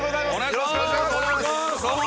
よろしくお願いします